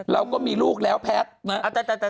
เราก็มีลูกแล้วแพทย์นะ